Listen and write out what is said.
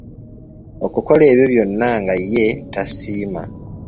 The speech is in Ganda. Okukola ebyo byonna nga ye tasiima